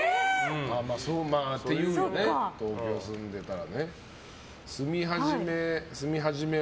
そういうようね東京住んでたら。